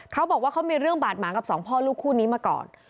เขาบอกว่าเขามีเรื่องบาดหมางกับสองพ่อลูกคู่นี้มาก่อน